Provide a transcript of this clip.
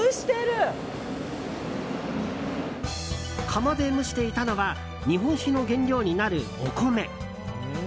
釜で蒸していたのは日本酒の原料になるお米。